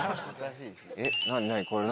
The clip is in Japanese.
えっ何何？